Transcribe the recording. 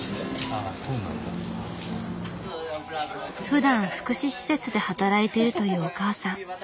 ふだん福祉施設で働いてるというお母さん。